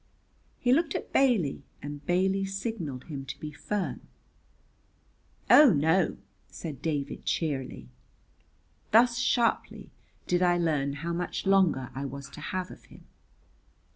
He looked at Bailey, and Bailey signalled him to be firm. "Oh, no," said David cheerily. Thus sharply did I learn how much longer I was to have of him.